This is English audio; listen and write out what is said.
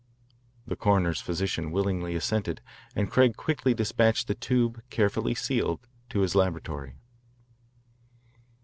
The coroner's physician willingly assented, and Craig quickly dispatched the tube, carefully sealed, to his laboratory.